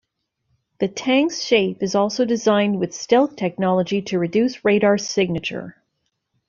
The tank's shape is also designed with stealth technology to reduce radar signature.